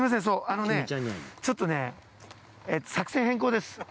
あのねちょっとね、作戦変更です。